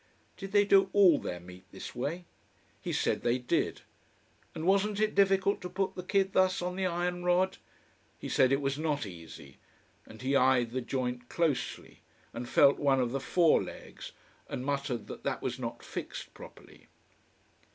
Did they do all their meat this way? He said they did. And wasn't it difficult to put the kid thus on the iron rod? He said it was not easy, and he eyed the joint closely, and felt one of the forelegs, and muttered that was not fixed properly.